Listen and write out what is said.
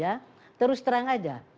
ya terus terang aja